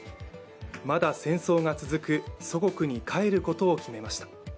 まだ戦争が続く祖国に帰ることを決めました。